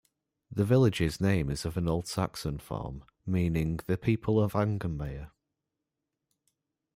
The village's name is of an old Saxon form, meaning "the people of Angenmaer".